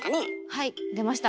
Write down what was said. はい出ました。